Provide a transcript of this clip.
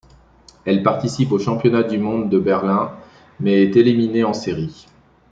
Elle participe aux Championnats du monde de Berlin mais est éliminée en série.